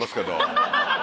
ハハハ！